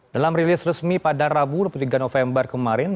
dalam rilis resmi pada rabu dua puluh tiga november kemarin